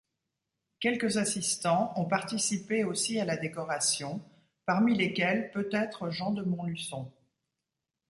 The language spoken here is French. Quelques assistants ont participé aussi à la décoration, parmi lesquels peut-être Jean de Montluçon.